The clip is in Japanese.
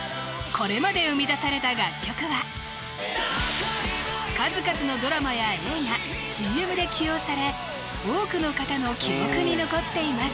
これまで生み出された楽曲は数々のドラマや映画ＣＭで起用され多くの方の記憶に残っています